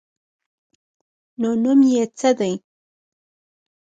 _نو نوم يې څه دی؟